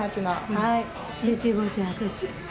はい。